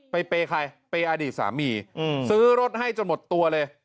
เปย์ใครเปย์อดีตสามีซื้อรถให้จนหมดตัวเลย